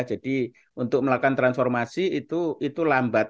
jadi untuk melakukan transformasi itu lambat